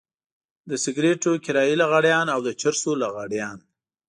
د سګرټو کرايي لغړيان او د چرسو لغړيان.